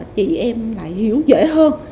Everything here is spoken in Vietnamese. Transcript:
chị em lại hiểu dễ hơn